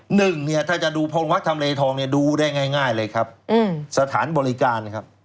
หนึ่งเนี่ยถ้าจะดูพรวักทำเลทองเนี่ยดูได้ง่ายเลยครับอืมสถานบริการนะครับ